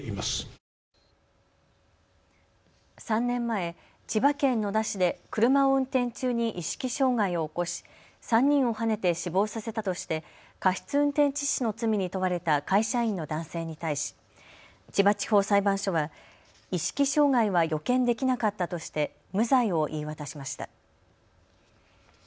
３年前、千葉県野田市で車を運転中に意識障害を起こし３人をはねて死亡させたとして過失運転致死の罪に問われた会社員の男性に対し千葉地方裁判所は意識障害は予見できなかったとして無罪を言い渡しました。